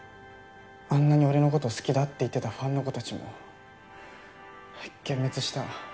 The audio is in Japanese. あんなに俺のこと好きだって言ってたファンの子たちも「幻滅した」